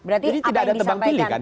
jadi tidak ada tebang pilih kan